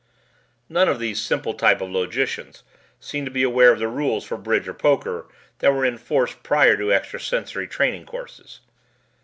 None of these simple type of logicians seem to be aware of the rules for bridge or poker that were in force prior to extrasensory training courses.